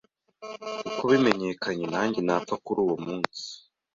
kuko bimenyekanye na njye napfa kuruwo munsi.